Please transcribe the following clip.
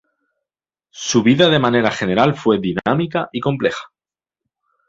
Su vida de manera general fue dinámica y compleja.